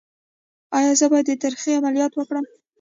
ایا زه باید د تریخي عملیات وکړم؟